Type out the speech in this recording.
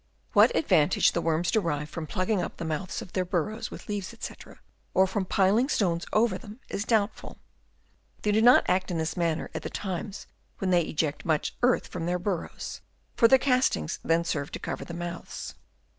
What advantage the worms derive from plugging up the mouths of their burrows with leaves, &c., or from piling stones over them, is doubtful. They do not act in this manner at the times when they eject much earth from their burrows ; for their castings then serve to cover the mouths.